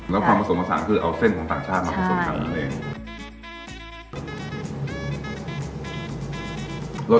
แล้วความผสมผสานคือเอาเส้นของต่างชาติมาผสมกันเอง